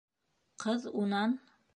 Ҡыҙ унан: